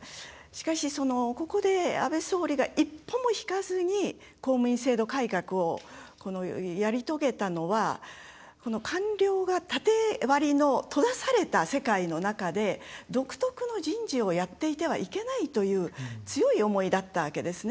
しかし、ここで安倍総理が一歩も引かずに公務員制度改革をやり遂げたのは官僚が縦割りの、閉ざされた世界の中で独特の人事をやっていてはいけないという強い思いだったわけですね。